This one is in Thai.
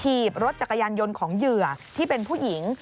ถีบรถจักรยานยนต์ของเหยื่อที่เป็นผู้หญิง